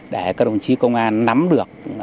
để các đồng chí công an nắm được